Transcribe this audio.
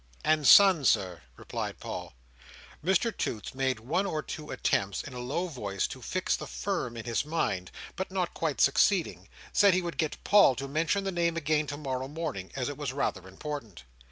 "And Son, Sir," replied Paul. Mr Toots made one or two attempts, in a low voice, to fix the Firm in his mind; but not quite succeeding, said he would get Paul to mention the name again to morrow morning, as it was rather important.